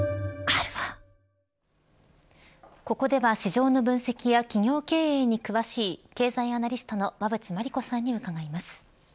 ここでは市場の分析や企業経営に詳しい経済アナリストの馬渕磨理子さんに伺います。